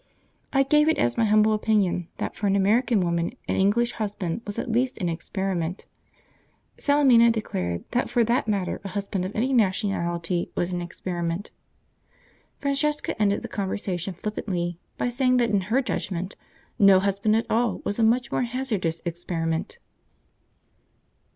I gave it as my humble opinion that for an American woman an English husband was at least an experiment; Salemina declared that for that matter a husband of any nationality was an experiment. Francesca ended the conversation flippantly by saying that in her judgment no husband at all was a much more hazardous experiment.